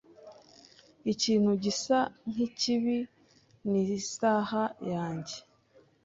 Ikintu gisa nkikibi nisaha yanjye.